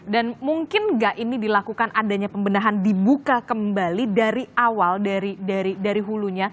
dan mungkin nggak ini dilakukan adanya pembenahan dibuka kembali dari awal dari hulunya